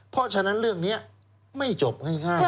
เพราะฉะนั้นเรื่องนี้ไม่จบง่าย